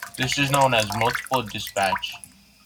This is known as "multiple dispatch".